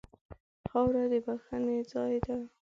خاوره د بښنې ځای ده.